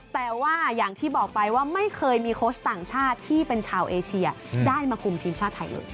แต่ว่าอย่างที่บอกไปว่าไม่เคยมีโค้ชต่างชาติที่เป็นชาวเอเชียได้มาคุมทีมชาติไทยเลย